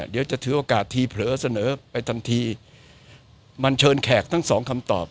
เดี๋ยวจะถือโอกาสทีเผลอเสนอไปทันทีมันเชิญแขกทั้งสองคำตอบ